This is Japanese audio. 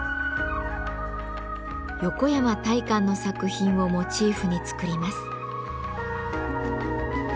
横山大観の作品をモチーフに作ります。